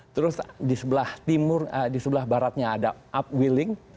terus di sebelah timur di sebelah baratnya ada upwilling